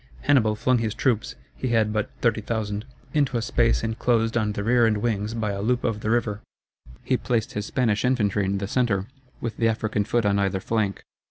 Hannibal flung his troops (he had but 30,000) into a space inclosed on the rear and wings by a loop of the river. He placed his Spanish infantry in the centre, with the African foot on either flank.